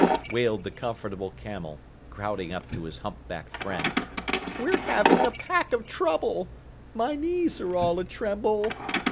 wailed the Comfortable Camel, crowding up to his humpbacked friend, "we're having a pack of trouble. My knees are all a tremble!"